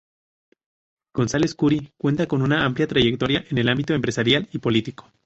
González Curi cuenta con una amplia trayectoria en el ámbito empresarial y político.